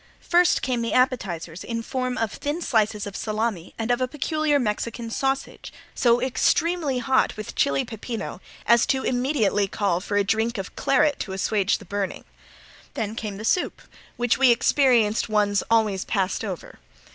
First came the appetizers in form of thin slices of salami and of a peculiar Mexican sausage, so extremely hot with chili pepino as to immediately call for a drink of claret to assuage the burning. Then came the soup which we experienced ones always passed over.